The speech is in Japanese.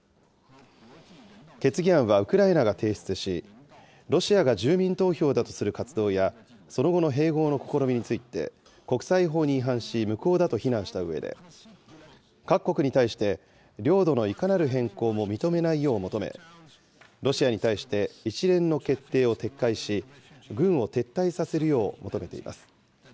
決議案はウクライナが提出し、ロシアが住民投票だとする活動や、その後の併合の試みについて、国際法に違反し、無効だと非難したうえで、各国に対して、領土のいかなる変更も認めないよう求め、ロシアに対して一連の決定を撤回し、軍を撤退させるよう求めています。